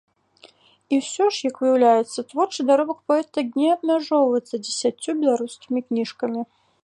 І ўсё ж, як выяўляецца, творчы даробак паэта не абмяжоўваецца дзесяццю беларускімі кніжкамі.